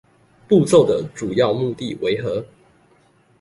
步驟的主要目的為何？